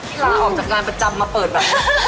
อีละออกจากการประจำมาเปิดว่ะ